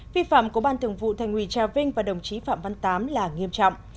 vi phạm của ban thường vụ thành ủy trà vinh và đồng chí phạm văn tám là nghiêm trọng